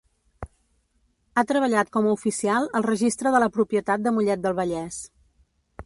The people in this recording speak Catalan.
Ha treballat com a oficial al Registre de la Propietat de Mollet del Vallès.